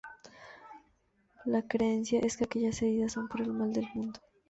La creencia es que aquellas heridas son por el mal del mundo.